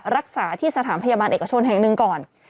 รักษาที่สถานพยาบาลเอกชนแห่งหนึ่งก่อน